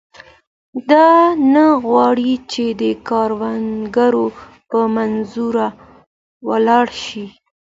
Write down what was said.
دی نه غواړي چې د کروندګرو په منظره ولاړ شي.